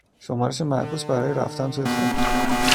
شمارش معکوس برای رفتن توی خاک